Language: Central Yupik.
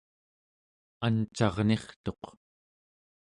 ancarnirtuq